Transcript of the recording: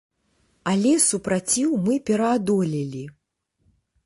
Але супраціў мы пераадолелі.